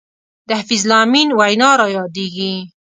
د حفیظ الله امین وینا را یادېږي.